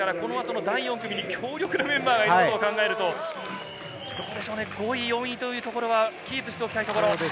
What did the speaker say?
第４組に強力なメンバーがいることを考えると、５位、４位というところはキープしておきたいところ。